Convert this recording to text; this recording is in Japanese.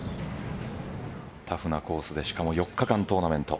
タフなコースでしかも４日間トーナメント。